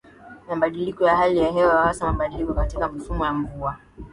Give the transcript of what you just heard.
Mabadiliko ya hali ya hewa hasa mabadiliko katika mifumo ya mvua